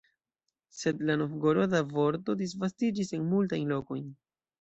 Sed la novgoroda vorto disvastiĝis en multajn lokojn.